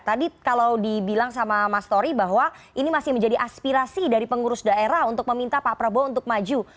tadi kalau dibilang sama mas tori bahwa ini masih menjadi aspirasi dari pengurus daerah untuk meminta pak prabowo untuk maju